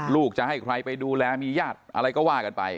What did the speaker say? ลูกจะให้ใครไปดูแลมีญาติอะไรก็ว่ากันไป